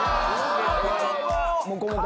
もこもこ！